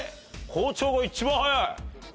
校長が一番早い。